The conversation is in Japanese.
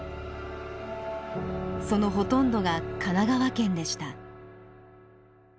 そのほとんどが神奈川県でした。